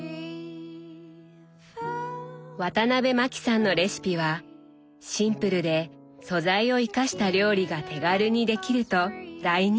ワタナベマキさんのレシピは「シンプルで素材を生かした料理が手軽にできる」と大人気。